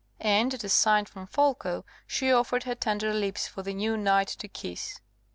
And at a sign from Folko, she offered her tender lips for the new knight to kiss.